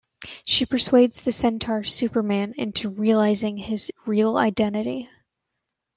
She persuades the centaur Superman into realizing his real identity.